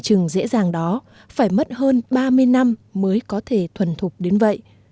nhưng điều từng dễ dàng đó phải mất hơn ba mươi năm mới có thể thuần thục đến vậy